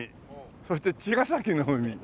そして茅ヶ崎の海。